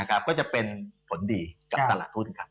ก็จะเป็นผลดีกับตลาดหุ้นครับ